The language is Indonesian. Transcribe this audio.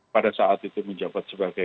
pada saat itu menjabat sebagai